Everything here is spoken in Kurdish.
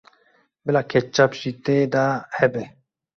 Bila ketçap jî tê de hebe.